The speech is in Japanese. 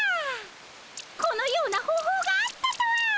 このような方法があったとは。